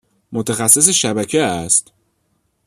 متخصص شبکه است؟